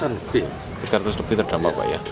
tiga ratus an pin terdampak pak ya